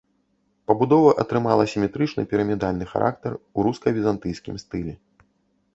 Пабудова атрымала сіметрычны пірамідальны характар у руска-візантыйскім стылі.